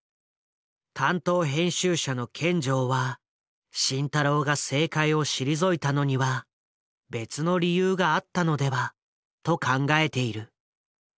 担当編集者の見城は慎太郎が政界を退いたのには別の理由があったのではと考えている。